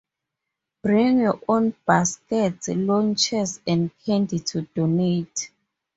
Bring your own baskets, lawn chairs, and candy to donate.